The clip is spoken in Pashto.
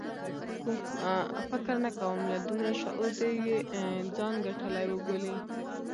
فکر نه کوم له دومره شعور دې یې ځان ګټلی وبولي.